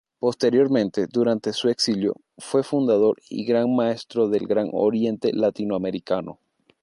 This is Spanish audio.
Posteriormente, durante su exilio, fue fundador y gran Maestro del Gran Oriente Latinoamericano.